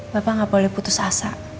bapak nggak boleh putus asa